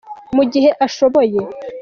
mu gihe ashoboye